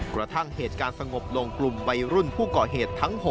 กระทั่งเหตุการณ์สงบลงกลุ่มวัยรุ่นผู้ก่อเหตุทั้ง๖